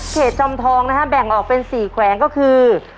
เขตจอมทองแบ่งออกเป็น๔แขวงก็คือ